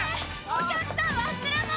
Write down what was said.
お客さん忘れ物！